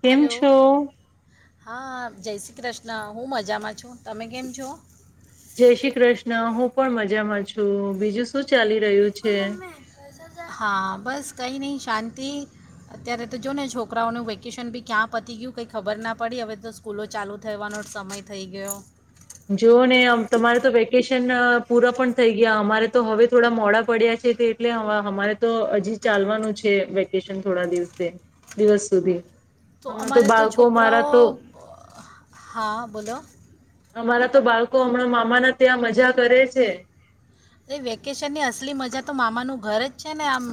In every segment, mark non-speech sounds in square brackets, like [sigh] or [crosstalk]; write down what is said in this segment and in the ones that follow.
કેમ હલો છો? હા જય શ્રી કૃષ્ણ, હું મજામાં છું, તમે કેમ છો? જય શ્રી કૃષ્ણ. હું પણ મજામાં છું, બીજું શું ચાલી રહ્યું છે? હા બસ કંઈ નહીં શાંતિ અત્યારે તો જો ને છોકરાઓનું વેકેશન બી ક્યાં પતી ગયું કંઈ ખબર ના પડી હવે તો સ્કૂલો ચાલુ થવાનો સમય થઈ ગયો. જોઓ ને આમ તમારે તો વેકેશન પૂરા પણ થઈ ગયા અમારે તો હવે થોડા મોડા પડ્યા છે તે એટલે હમા હમારે તો હજી ચાલવાનું છે, વેકેશન થોડા દિવસે દિવસ સુધી. તો હમણાં અમારે તો બાળકો મારા છોકરાઓ તો હા બોલો. અમારા તો બાળકો હમણાં મામાના ત્યાં મજા કરે છે. ને વેકેશનની અસલી મજા તો મામાનું ઘર જ છે ને આમ,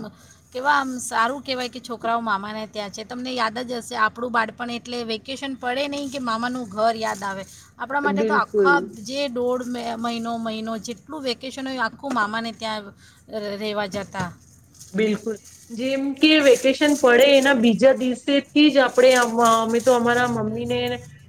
કેવા આમ સારું કહેવાય કે છોકરાઓ મામાને ત્યાં છે. તમને યાદ જ હશે આપણું બાળપણ એટલે વેકેશન પડે નહીં કે મામાનું ઘર યાદ આવે. આપણા માટે તો આખા બિલકુલ જે દોડ મે મહિનો મહિનો જેટલું વેકેશ ન આખું મામાને ત્યાં ર રહેેવા જતા. બિલકુલ. જેમ કે વેકેશન પડે એના બીજા દિવસેથી જ આપણે અમ હવે તો અમારા મમ્મી ને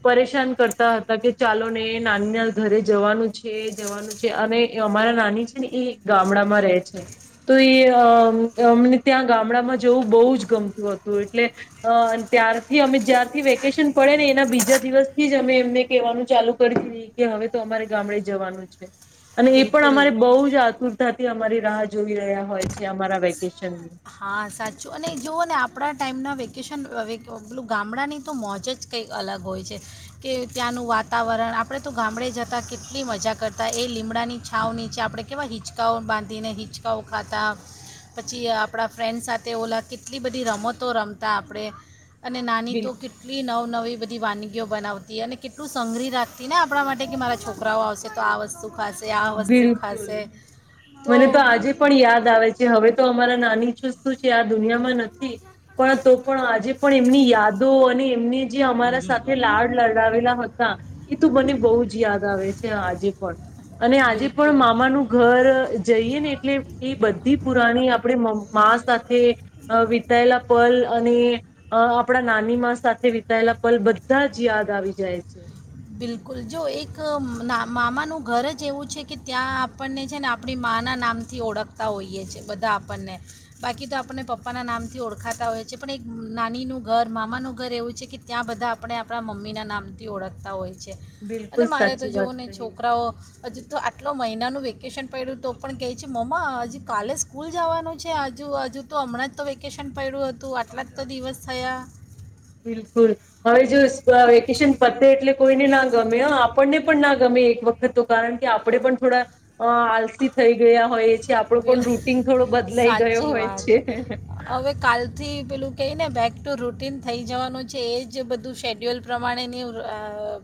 પરેશાન કરતા હતા કે ચાલો ને નાનીના ઘરે જવાનું છે, જવાનું છે અને અમારા નાની છે ને ઈ ગામડામાં રહે છે, તો એ અહ અમને ત્યાં ગામડામાં જવું બહુ જ ગમતું હતું એટલે અહ ત્યારથી અમે જ્યારથી વેકેશન પડે ને એના બીજા દિવસથી જ અમે એમને કેવાનું ચાલુ કરી દેય કે હવે તો અમારે ગામડે જવાનું છે. અને એ પણ બિલકુલ અમારે બહુ જ આતુર તાથી અમારી રાહ જોઈ રહ્યા હોય છે અમારા વેકેશન. હા સાચું અને જુઓ ને આપણા ટાઈમના વેકેશન [unintelligible] પેલું ગામડાંની તો મોજ જ કંઈક અલગ હોય છે, કે ત્યાંનું વાતાવરણ આપણે તો ગામડે જતા કેટલી મજા કરતા એ લીમડાની છાવ નીચે આપણે કેવા હિચકાઓ બાંધીને હિંચકાઓ ખાતા, પછી આ આપણા ફ્રેન્ડ સાથે ઓલા કેટલી બધી રમતો રમતા આપણે. અને નાની બિલ તો કેટલી નવ નવી એ બધી વાનગી ઓ બનાવતી અને કેટલું સંગરી રાખતી ને આપણા માટે કે મારા છોકરાઓ આવશે તો આ વસ બિલકુલ મને તો આજે પણ યાદ આવે છે હવે તો અમારા નાની છ શું છે આ દુનિયામાં નથી, પણ તો પણ આજે પણ એમની યાદો અને એમની જે અમારા સાથે લાડ લડાવેલા હતા એ તો મને બહુ જ યાદ આવે છે આજે પણ. અને આજે પણ બિલકુલ મામાનું ઘર જઈએ ને એટલે એ બધી પુરાણી આપણે મા સાથે વિતાયેલા અ પલ અને અ આપણા નાની મા સાથે વિતાયેલા પલ બધા જ યાદ આવી જાય છે. બિલકુલ જો એક મામાનું ઘર જ એવું છે કે ત્યાં આપણને છે ને આપણી માના નામથી ઓળખતા હોઈએ છે બધા આપણને બાકી તો આપણ પપ્પાના નામથી ઓળખાતા હોઈએ છીએ પણ એક નાનીનું ઘર મામાનું ઘર એવું છે કે ત્યાં બધા આપણે આપણા મમ્મીના નામથી ઓળખતા તા હોય છે. અને બિલકુલ મારે તો સાચી જોવ વાત ને કહી છોકરાઓ હજુ તો આટલો મહિનાનું વેકેશન પડ્યું તો પણ કહે છે મમ્મા હજુ કાલે સ્કૂલ જવાનું છે હજુ હજુ તો હમણાં જ તો વેકેશન પડ્યું હતું આટલા જ તો દિવસ થયા. બિલકુલ હવે જો વેકેશન અ પતે એટલે કોઈને ના ગમે હ આપણને પણ ના ગમે એક વખત તો કારણ કે આપડણે પણ થોડા અ આલસી થઈ ગયા હોયજ. કે આપણો વેલ પણ રૂટીન થોડો બદલાઈ ગયો સાચી હોય છે. કઈને બેક ટુ રૂટિન થઈ જવાનું છે એ જ બધું શેડ્યુલ પ્રમાણેની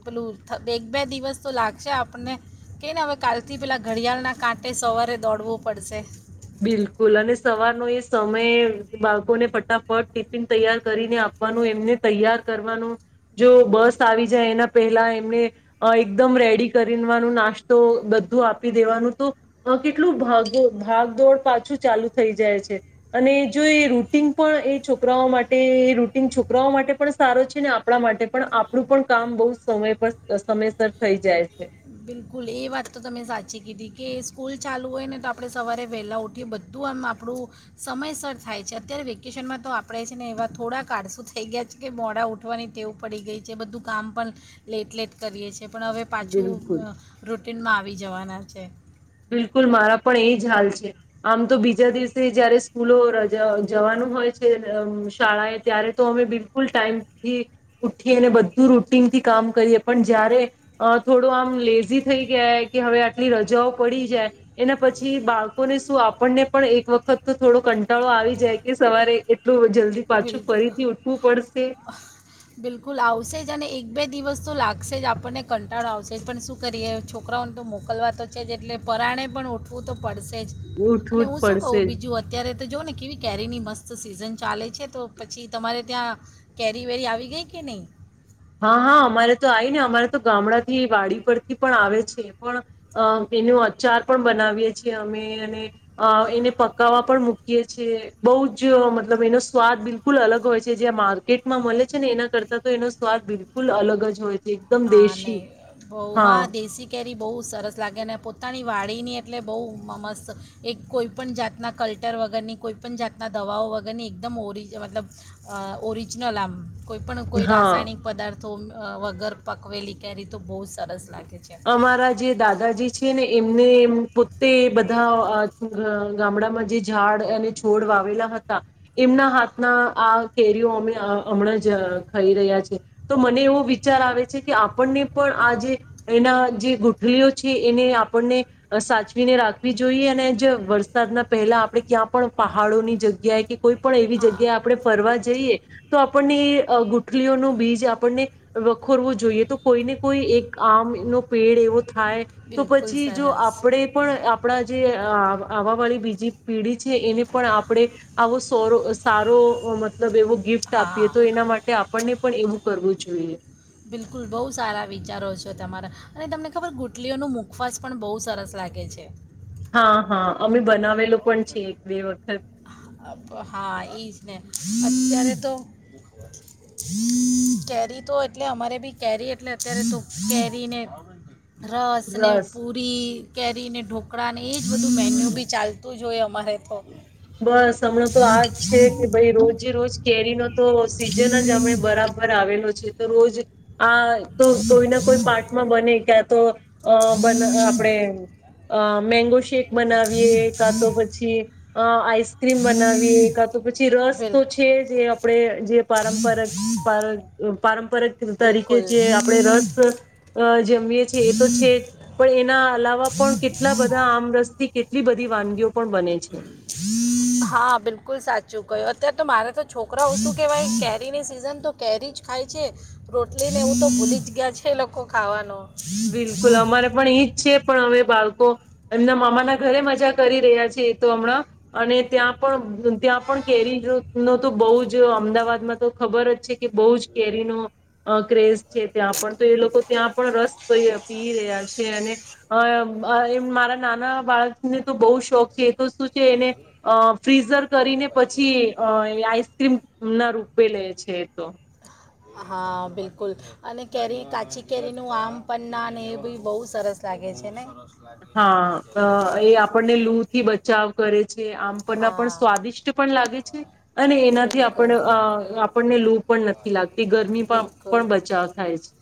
પેલું એક બે દિવસ તો લાગશે આપણને કઈને હવે કાલથી પેલાં ઘડિયાળના કાંઠે સવારે દોડવું પડશે. બિલકુલ અને સવારનો એ સમય બાળકોને ફટાફટ ટિફિન તૈયાર કરીને આપવાનું એમને તૈયાર કરવાનું જો બસ આવી જાય એના પહેલા એમને એકદમ રેડી કરીનું નાસ્તો બધું આપી દેવાનું તો કેટલું ભાગો ભાગ દોડ પાછું ચાલુ થઈ જાય છે. અને જો એ રૂટિન પણ એ છોકરાઓ માટે રૂટિન છોકરાઓ માટે પણ સારો છે ને આપણા માટે પણ આપણું પણ કામ બહુ સમય પર સમયસર થઈ જાય છે. બિલકુલ એ વાત તો તમે સાચી કીધી કે સ્કૂલ ચાલુ હોય ને તો આપણે સવારે વહેલાં ઉઠીએ બધું આમ આપણું સમયસર થાય છે અત્યારે વેકેશનમાં તો આપણે છે ને એવા થોડાક આળસું થઈ ગયા છે કે મોડા ઉઠવાની ટેવ પડી ગઈ છે બધું કામ પણ લેટ લેટ કરીએ છીએ. એ પણ હવે પાંચ તો બિલકુલ અ રૂ ટ્રેનમાં આવી જવાના છે. બિલકુલ મારા પણ એ જ હાલ છે આમ તો બીજા દિવસે જયારે સ્કૂલો રજા જવાનું હોય છે શાળાએ ત્યારે તો અમે બિલકુલ ટાઈમ થી ઉઠીને બધું રૂટીનથી કામ કરીએ પણ જયારે અહ થોડો આમ લેઝી થઈ ગયા કે હવે આટલી રજાઓ પડી જાય એના પછી બાળકોને શું આપણને પણ એક વખત તો થોડો કંટાળો આવી જાય કે સવારે કે ટલું જલ્દી પાછું બિલકુલ ફરીથી ઉઠવું પડશે. બિલકુલ આવશે જ અને એક બે દિવસ તો લાગશે જ આપણને કંટાળો આવશે જ, પણ શું કરીએ છોકરાઓને તો મોકલવા તો છે જ એટલે પરાણે પણ ઉઠવું તો પડશે જ, અને ઉઠવું જ હું શું પડશે કું જ બીજું અત્યારે જોઓ ને કેવી કેરીની મસ્ત સિઝન ચાલે છે છે તો પછી તમારે ત્યાં કેરી વેરી આવી ગઈ કે નહીં? હા, હા અમારે તો આવી ને અમારે તો ગામડાથી વાડી પરથી પણ આવે છે, પણ અહ એનો અચાર પણ બનાવીએ છીએ અમે અને અહ એને પકાવવા પણ મૂકીએ છીએ. બહુ જ મતલબ એનો સ્વાદ બિલકુલ અલગ હોય છે, જે માર્કેટમાં મળે છે ને એના કરતાં તો એનો સ સ્વાદ બિલકુલ અલગ જ હોય. હા દેશી નહી, બહું હા દેશી કેરી બહુ સરસ લાગે અને પો પોતાની વાડીની એટલે બહુ મસ્ત. એક કોઈપણ જાતના કલ્ટર વગરની કોઈપણ જાતના દવાઓ વગરની એકદમ ઓરિજ મતલબ ઓરિજનલ આમ. કોઈ પણ કોઈ હા રાસાયણિક પદાર્થ તુમ અહ વગર પકવેલી કેરી તો બહુ સરસ લાગે. છે અમારા જે દાદાજી છે ને એમ ને એમ પોતે બધા ગામડામાં અહ જે ઝાડ અને છોડ વાવેલા હતા એમના હાથના આ કેરીઓ અમે હમણાં જ ખાઈ રહ્યા છે. તો મને એવો વિચાર આવે છે કે આપણને પણ આ જે એના જે ગૂટલીઓ છે એને આપણને સાચવીને રાખવી જોઈએ અને જ વરસાદના પહેલા આપણે ક્યાં પણ પહાડોની જગ્યાએ કે કોઈ પણ એવી હા જગ્યા આપણે ફરવા જ જઈએ તો આપણને એ ગુટલીઓનું બીજ આપણને વખોરવું જોઈએ તો કોઈને કોઈ એક આમ નો પેડ એવ વું થાય તો બિલકુલ પછી જો સરસ આપણે પણ આપણા જે અહ આવા વાળી બીજી પેઢી છે એને પણ આપણેે આવો સોરો સારો મ મતલબ એવો ગિફ્ટ આપીએ તો હા એના માટે આપણને પણ એવું કરવું જોઈએ. બિલકુલ બહુ સારા વિચારો છે તમારા, અને તમને ખબર ગુટલીઓનું મુખવાસ પણ બહુ સરસ લાગે છે. હા, હા અમે બના વેલું પણ છે એક બે વખત. અપ- હા એ જ ને અત્યારે તો કેરી તો એટલે અમારે ભી કેરી એટલે અત્યારે તો કેરીને રસને, રસ પૂરી કેરીને ઢોકળા ને એજ બધું મેન્યુ બી ચાલ તું જ હોઈ અમારે તો. બસ હમણાં તો આ જ છે કે ભાઈ રોજે રોજ કેરી નો તો સીઝન જ હમણે બરાબર આવેલો છે. તો રોજ આ તો કોઈ ના કોઈ પાર્ટમાં બને ક્યા તો અ બન અહ આપણેે અહ મેંગો શેક બનાવીએ કા તો પછી અ આઈસક્રીમ બનાવીએ કા તો પછી પછી રસ તો છે બિલકુલ જે એમ. આપડે જે પારંપરિક પ પારંપરિક. તરીકે બિલકુલ જે આપડે રસ અ જમીએ એ તો છે જ પણ એના અલાવા પણ કેટલા બધા આમરસ થી કેટલી બધી વાનગીઓ પણ બને છે. હા બિલકુલ સાચું કહ્યું અત્યારે તો મારે તો છોકરાઓ શું કેહેવાય કેરીની સિઝન તો કેરી જ ખાય છે રોટલી ને એવું તો ભૂલી જ ગયા છે એ લોકો ખાવાનુ. બિલકુલ અમારે પણ ઈજ છે. પણ હવે બાળકો એમના મામા ના ઘરે મજા કરી રહ્યા છે એ તો હમણાં અને ત્યાં પણ ત્યાં પણ કેરી નો તો બહુ જ અમદાવાદમાં તો ખબર જ છે કે બહુ જ કેરીનોો ક્રેઝ છે. ત્યાં પણ તો એ લોકો ત્યાં પણ રસ. તો પી રહ્યા છે અને અ અ મારા નાના બાળકને તો બહુ શોખ છે એ તો શું છે એને અ ફ્રીઝર કરીને પછી આઈસક્રીમ ના રૂપે લે છે એ તો. હા બિલકુલ અને કેરી કાચી કેરીનું આમ પન્ના ને એ બી બહુ સરસ લાગે છે ને. હા એ આપણને લૂ થી બચાવ કરે. છે. આમ પન્ના પણ હા સ્વાદિષ્ટ પણ લાગે છે. અને એનાથી બિલકુલ આપણ અ આપણને લૂ પણ નથી લાગતી ગરમીમાં બિલકુલ પણ બચાવ થાય છે.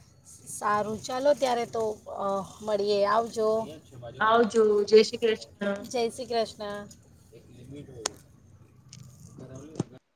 સારું ચાલો ત્યારે તો અ, મળીએ આવજો. આવજો જય શ્રી કૃષ્ણ જય શ્રી કૃષ્ણ.